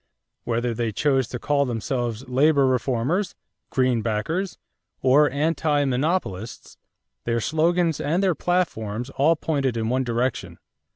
Whether they chose to call themselves Labor Reformers, Greenbackers, or Anti monopolists, their slogans and their platforms all pointed in one direction.